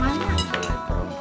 ya gimana pak